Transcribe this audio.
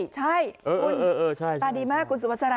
ใช่คุณตาดีมากคุณสุภาษา